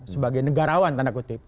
sebagai negarawan tanda kutip